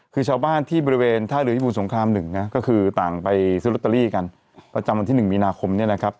หลังจากต่างปลายอยู่ในประจำวันที่๑มีนาคม